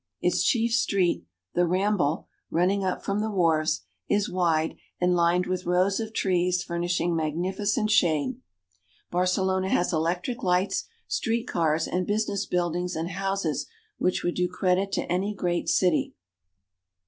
Its chief street, the Rambla, running up from the wharves, IN THE CITIES OF SPAIN. 437 is wide, and lined with rows of trees furnishing magnifi cent shade. Barcelona has electric lights, street cars, and business buildings and houses which would do credit to any great city.